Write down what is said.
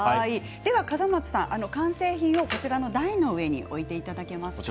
笠松さん完成品を台の上に置いていただけますか？